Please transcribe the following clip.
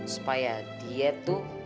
supaya dia tuh